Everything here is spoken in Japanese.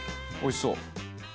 おいしそう。